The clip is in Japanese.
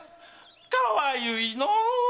かわゆいのう！